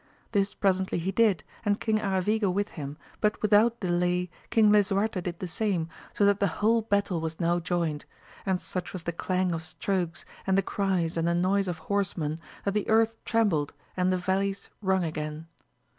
This presently he did, and King Aravigo with him, but without delay King Lisuarte did the same, so that the whole AMADI^OF GAUL 211 battle was now joined ; and such was the clang of strokes, and the cries and|,the noise of horsemen, that the earth trembled and the vallies rung again.